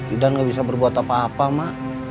idan nggak bisa berbuat apa apa ma